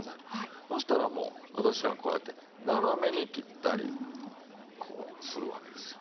そしたらもう私らはこうやって斜めに切ったりこうするわけですよ。